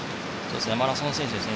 マラソン選手ですね。